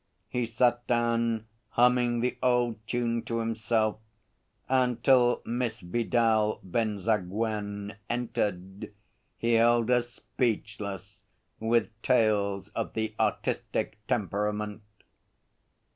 He sat down, humming the old tune to himself, and till Miss Vidal Benzaguen entered, he held us speechless with tales of the artistic temperament.